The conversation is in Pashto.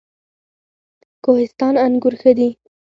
کوهستان انګور ښه دي؟